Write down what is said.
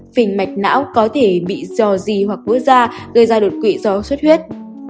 bốn phình mạch não có thể bị dò di hoặc bứa da gây ra đột quỵ do suất huyết